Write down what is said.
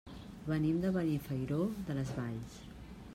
Venim de Benifairó de les Valls.